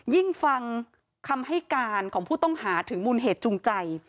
ฟังคำให้การของผู้ต้องหาถึงมูลเหตุจูงใจ